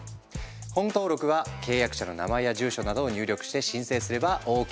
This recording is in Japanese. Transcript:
本登録は契約者の名前や住所などを入力して申請すればＯＫ！